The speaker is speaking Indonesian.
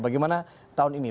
bagaimana tahun ini